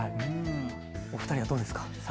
お二人はどうですか。